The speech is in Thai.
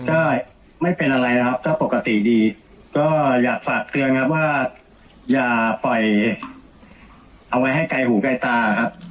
ก็ไม่เป็นอะไรนะครับก็ปกติดีก็อยากฝากเตือนครับว่าอย่าปล่อยเอาไว้ให้ไกลหูไกลตาครับ